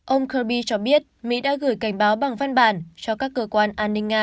ông kirby cho biết mỹ đã gửi cảnh báo bằng văn bản cho các cơ quan an ninh nga